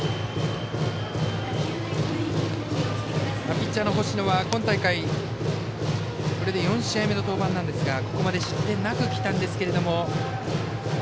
ピッチャーの星野は今大会これで４試合目の登板ですがここまで失点なく来たんですけども。